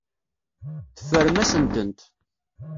Teffrem-asen-tent.